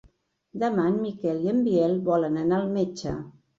Demà en Miquel i en Biel volen anar al metge.